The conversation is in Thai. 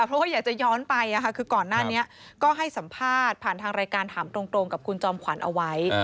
เพราะว่าอยากจะย้อนไปคือก่อนหน้านี้ก็ให้สัมภาษณ์ผ่านทางรายการถามตรงกับคุณจอมขวัญเอาไว้